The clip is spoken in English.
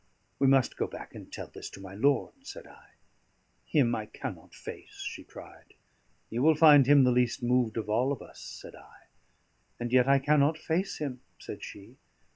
"We must go back and tell this to my lord," said I. "Him I cannot face," she cried. "You will find him the least moved of all of us," said I. "And yet I cannot face him," said she.